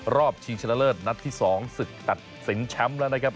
รอบชีวิตชนะเลิศนัดที่๒ศึกตัดศิลป์แชมป์แล้วนะครับ